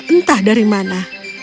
entah dari mana